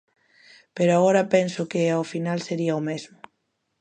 Pero agora penso que, ao final, sería o mesmo.